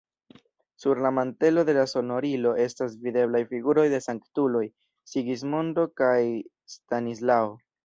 Sur la mantelo de la sonorilo estas videblaj figuroj de sanktuloj: Sigismondo kaj Stanislao.